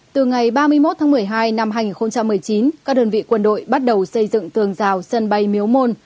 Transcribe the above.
từ ngày ba mươi một tháng một mươi hai năm hai nghìn một mươi chín các đơn vị quân đội bắt đầu xây dựng tường rào sân bay miếu môn